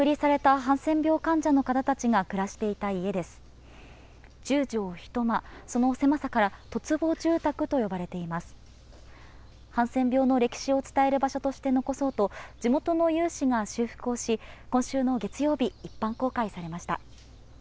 ハンセン病の歴史を伝える場所として残そうと、地元の有志が修復をし、今週の月曜日、一般公開されました。